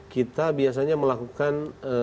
kita biasanya melakukan